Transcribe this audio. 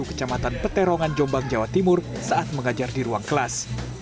kecamatan peterongan jombang jawa timur saat mengajar di ruang kelas